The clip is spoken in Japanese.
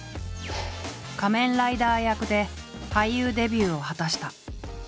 仮面ライダー役で俳優デビューを果たした。